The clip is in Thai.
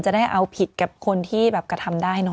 จะได้เอาผิดกับคนที่กระทำได้